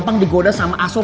petur lebih baik abuses